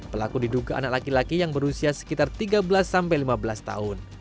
pelaku diduga anak laki laki yang berusia sekitar tiga belas sampai lima belas tahun